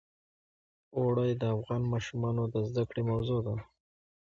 اوړي د افغان ماشومانو د زده کړې موضوع ده.